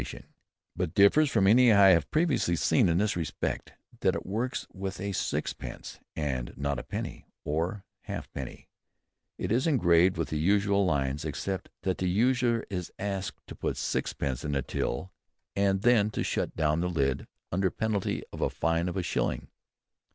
"It is of the ordinary shape," he wrote, "but differs from any I have previously seen in this respect, that it works with a sixpence, and not with a penny or halfpenny. It is engraved with the usual lines, except that the user is asked to put sixpence in the till, and then to shut down the lid under penalty of a fine of a shilling.